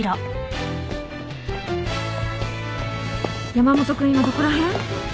山本君今どこら辺？